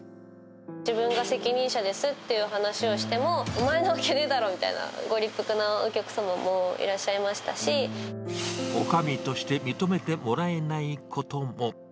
自分が責任者ですっていう話をしても、お前なわけないだろ！みたいな、ご立腹なお客様もいらっしゃいまおかみとして、認めてもらえないことも。